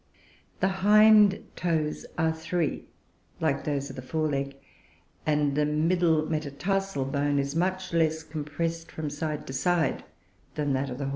The hind toes are three, like those of the fore leg; and the middle metatarsal bone is much less compressed from side to side than that of the horse.